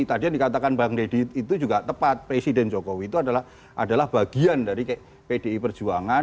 tadi yang dikatakan bang deddy itu juga tepat presiden jokowi itu adalah bagian dari pdi perjuangan